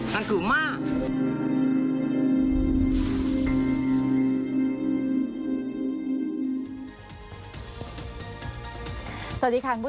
ใช่คือที่น้องเล่า